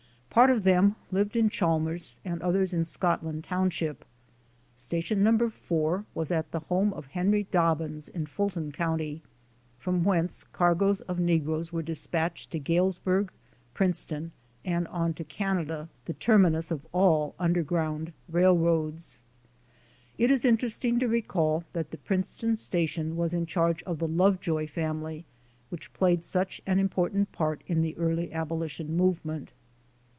Part of them lived in Chalmers and others in Scotland township. Station No. 4 was at the home of Henry Dobbins in Fulton county, from whence cargoes of negroes were dispatched to Gales burg, Princeton and on to Canada, the terminus of all under ground railroads. It is interesting to recall that the Prince ton station was in charge of the Lovejoy family, which played such an important part in the early abolition movement.